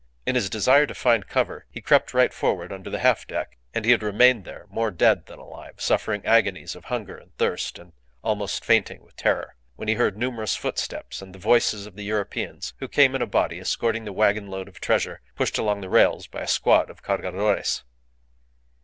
In his desire to find cover he crept right forward under the half deck, and he had remained there more dead than alive, suffering agonies of hunger and thirst, and almost fainting with terror, when he heard numerous footsteps and the voices of the Europeans who came in a body escorting the wagonload of treasure, pushed along the rails by a squad of Cargadores.